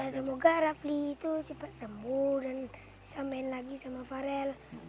semoga rafli itu cepat sembuh dan bisa main lagi sama farel